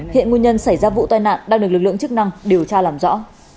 hiện nguyên nhân xảy ra vụ tai nạn đang được lực lượng chức năng điều tra làm rõ